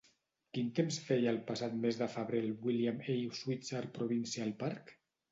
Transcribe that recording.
Quin temps feia el passat mes de febrer al William A. Switzer Provincial Park?